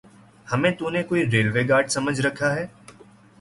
ہمیں تو نے کوئی ریلوے گارڈ سمجھ رکھا ہے؟